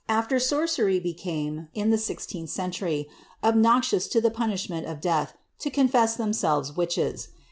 tfttt sofcpry becnmc, in the sixteenth centary, obnoxious to the puniBhincnl of [leaili, to confess ihemsetves witcheB.